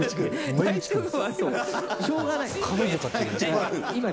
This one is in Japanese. しょうがない。